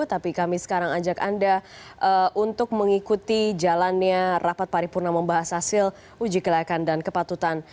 tapi kami sekarang ajak anda untuk mengikuti jalannya rapat paripurna membahas hasil uji kelayakan dan kepatutan